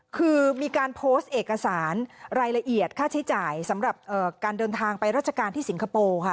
คือมีการโพสต์เอกสารรายละเอียดค่าใช้จ่ายสำหรับการเดินทางไปราชการที่สิงคโปร์ค่ะ